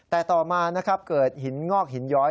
แต่ต่อมานะครับเกิดหินงอกหินย้อย